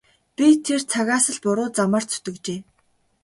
Би тэр цагаас л буруу замаар зүтгэжээ.